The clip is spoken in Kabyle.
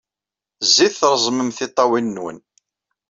Zzit, treẓmem tiṭṭawin-nwen.